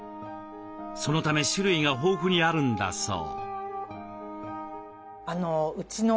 そのため種類が豊富にあるんだそう。